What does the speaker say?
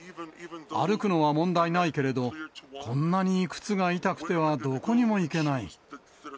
歩くのは問題ないけれど、こんなに靴が痛くてはどこにも行けない。